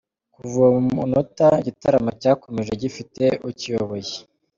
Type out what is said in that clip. Kuva uwo munota igitaramo cyakomeje gifite ukiyoboye.